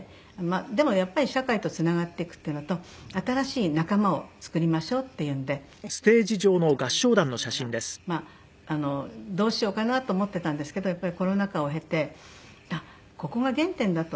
でもやっぱり社会とつながっていくっていうのと新しい仲間を作りましょうっていうのでそれで作ったクラブ・ウィルビーっていうのがまあどうしようかなと思ってたんですけどやっぱりコロナ禍を経てあっここが原点だと。